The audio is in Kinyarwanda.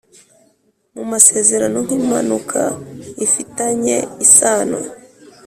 mu masezerano nk impanuka ifitanye isano